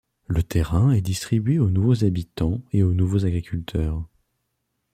Le terrain est distribué aux nouveaux habitants et aux nouveaux agriculteurs.